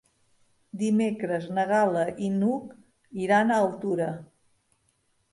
Dimecres na Gal·la i n'Hug iran a Altura.